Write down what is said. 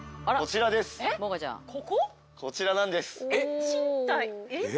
こちらなんです。